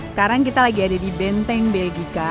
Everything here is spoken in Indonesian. sekarang kita lagi ada di benteng belgika